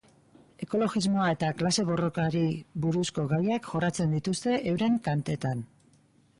Ekologismoa eta klase-borrokari buruzko gaiak jorratzen dituzte euren kantetan.